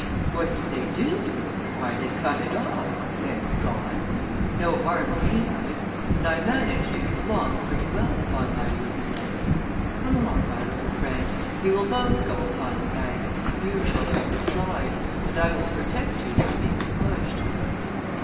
"What did they do to it? why, they cut it off; thank God! no harm came of it; and I manage to get along pretty well upon my wooden leg. Come along, my little friend, we will both go upon the ice; you shall learn to slide, and I will protect you from being pushed."